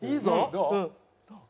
どう？